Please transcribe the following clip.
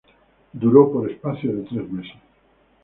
Duró por espacio de tres meses.